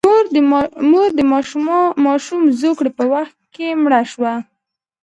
مور د ماشوم زوکړې په وخت کې مړه شوه.